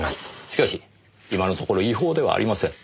しかし今のところ違法ではありません。